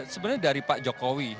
sebenarnya dari pak jokowi